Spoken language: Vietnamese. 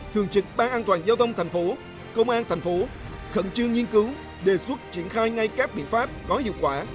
thường trực ban an toàn giao thông thành phố công an thành phố khẩn trương nghiên cứu đề xuất triển khai ngay các biện pháp có hiệu quả